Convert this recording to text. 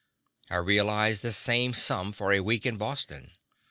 I realized the same sum for a week in Boston.